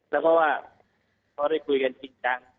แล้วเพราะว่าเพราะว่าได้คุยกันจริงจัง